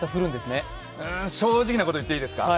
正直に言っていいですか？